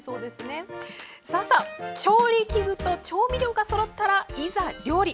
さあ、調理器具と調味料がそろったら、いざ料理！